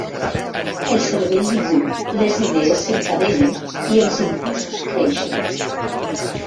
El cervell li bull, les idees s'encadenen i els impulsos creixen.